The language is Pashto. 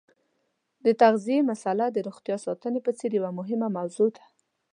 د تغذیې مساله د روغتیا ساتنې په څېر یوه مهمه موضوع ده.